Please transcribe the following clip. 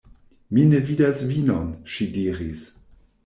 "Mi ne vidas vinon," ŝi diris.